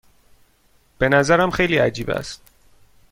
به نظرم خیلی عجیب است.